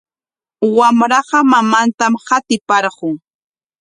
Wamraqa mamantam qatiparqun.